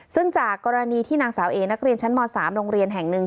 ซึ่งจากกรณีที่นางสาวเอนักเรียนชั้นม๓โรงเรียนแห่งหนึ่ง